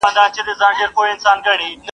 ټوله پنجاب به کړې لمبه که خیبر اور واخیست.